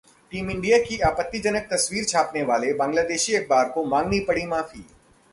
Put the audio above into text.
team India की आपत्तिजनक तस्वीर छापने वाले बांग्लादेशी अखबार को मांगनी पड़ी माफी